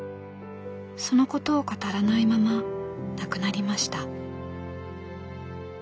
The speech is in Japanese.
そのことを語らないまま亡くなりました。